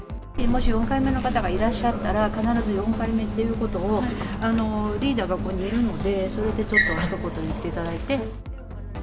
もし４回目の方がいらっしゃったら、必ず４回目ということをリーダーがここにいるので、それでちょっとひと言言っていただいて。